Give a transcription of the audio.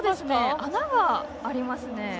穴がありますね。